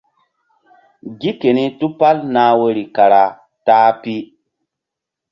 Gi keni tupal nah woyri kara ta-a pi.